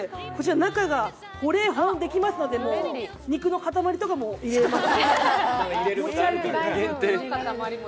中が保冷できますので、肉の塊とかも入れられます。